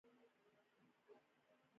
د لمر ګل غوړي د پخلي لپاره وکاروئ